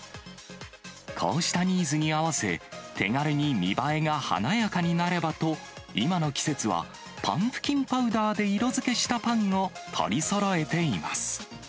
こうしたニーズに合わせ、手軽に見栄えが華やかになればと、今の季節はパンプキンパウダーで色づけしたパンを取りそろえています。